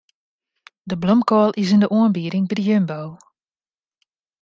De blomkoal is yn de oanbieding by de Jumbo.